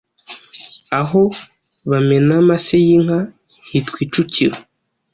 Aho bamena amase y’inka hitwa Icukiro